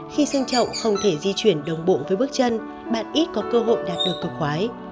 khi sang trọng không thể di chuyển đồng bộ với bước chân bạn ít có cơ hội đạt được cọc khoái